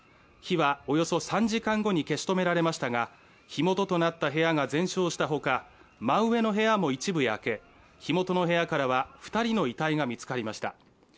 火はおよそ３時間後に消し止められましたが、火元となった部屋が全焼したほか真上の部屋も一部焼け火元の部屋からは２人の遺体が見つかりました。